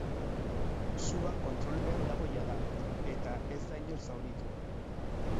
Sua kontrolpean dago jada, eta ez da inor zauritu.